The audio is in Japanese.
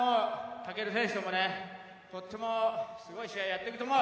武尊選手も、どっちもすごい試合やっていると思う。